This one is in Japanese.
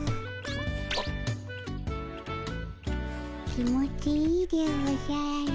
気持ちいいでおじゃる。